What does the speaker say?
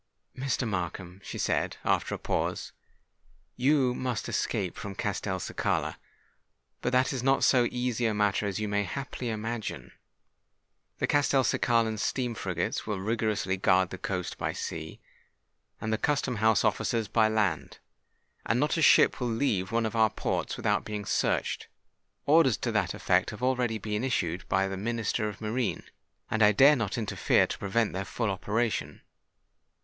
"Mr. Markham," she said, after a pause, "you must escape from Castelcicala: but that is not so easy a matter as you may haply imagine. The Castelcicalan steam frigates will rigorously guard the coast by sea, and the custom house officers by land; and not a ship will leave one of our ports without being searched. Orders to that effect have already been issued by the Minister of Marine; and I dare not interfere to prevent their full operation.